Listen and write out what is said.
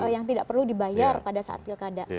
yang tidak perlu dibayar pada saat pilkada